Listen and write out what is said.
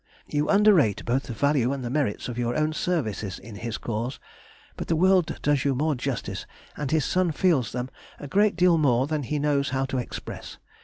You underrate both the value and the merit of your own services in his cause, but the world does you more justice, and his son feels them a great deal more than he knows how to express.